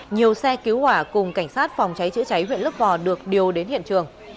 nhiều xe cứu hỏa cùng cảnh sát phòng cháy chữa cháy huyện lấp vò được điều đến hiện trường